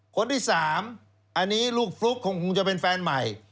คนที่๓อันนี้ลูกฟลุ๊กคงจะเป็นแฟนใหม่